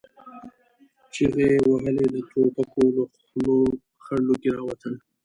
چيغې يې وهلې، د ټوپکو له خولو خړ لوګي را وتل.